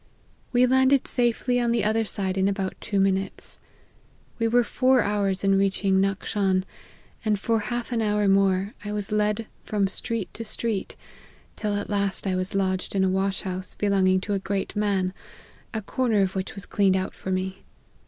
We landed safely on the other side in about two minutes. We were four hours in reaching Nackshan, and for half an hour more I was led from street to street, till at last I was lodged in a wash house belonging to a great man, a comer of which was cleaned out for me.